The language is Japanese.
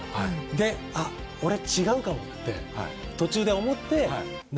であっ俺違うかもって途中で思って。